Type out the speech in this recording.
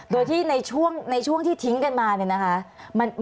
โดยที่ในช่วงที่ทิ้งกันมาเนี่ยนะคะ